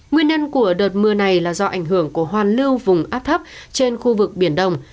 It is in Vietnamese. nguyên nhân của đợt mưa này là do ảnh hưởng của hoàn lưu vùng áp thấp trên khu vực biển đông